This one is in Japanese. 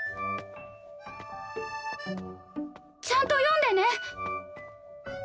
ちゃんと読んでね？